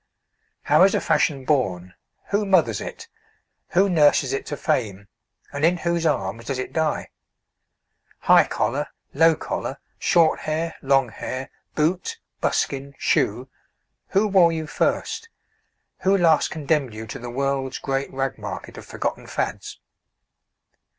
How is a fashion born? Who mothers it? Who nurses it to fame, and in whose arms does it die? High collar, low collar, short hair, long hair, boot, buskin, shoe who wore you first? Who last condemned you to the World's Great Rag Market of Forgotten Fads?